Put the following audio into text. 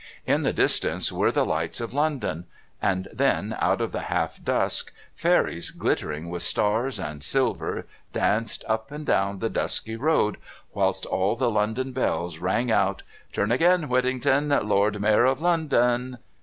In the distance were the lights of London, and then, out of the half dusk, fairies glittering with stars and silver danced up and down the dusky road whilst all the London bells rang out "Turn again, Whittington, Lord Mayor of London."